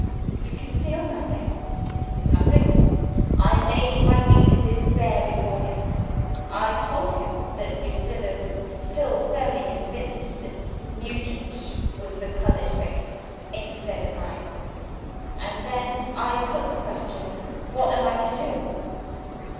"You concealed nothing?" "Nothing. I laid my weakness bare before him. I told him that Lucilla was still firmly convinced that Nugent's was the discolored face, instead of mine. And then I put the question What am I to do?"